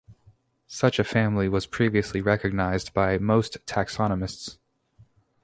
Such a family was previously recognized by most taxonomists.